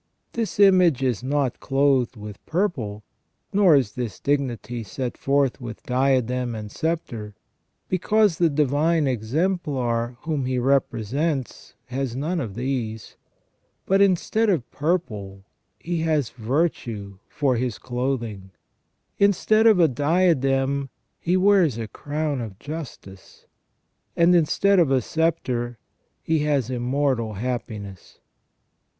This image is not clothed with purple, nor is this dignity set forth with diadem and sceptre, because the Divine Exemplar whom he represents has none of these things ; but instead of purple he has virtue for his clothing, instead of a diadem he wears the crown of justice, and instead of a sceptre he has im mortal happiness."